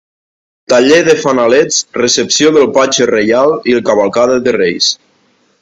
Taller de fanalets, recepció del Patge reial i Cavalcada de reis.